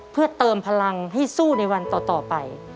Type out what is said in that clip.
เพื่อเติมพลังให้สู้ในวันต่อไป